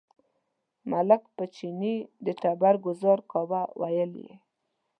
ملک په چیني د تبر ګوزار کاوه، ویل یې.